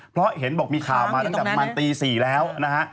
เพราะเห็นบอกมีข่าวมาตั้งแต่ประมาณตี๔แล้วนะฮะ